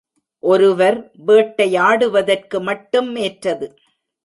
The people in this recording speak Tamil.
ஒருவர் வேட்டையாடுவதற்கு மட்டும் ஏற்றது.